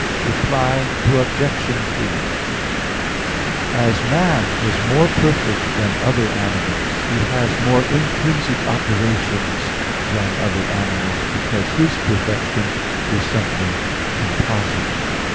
Reply Obj. 3: As man is more perfect than other animals, he has more intrinsic operations than other animals, because his perfection is something composite.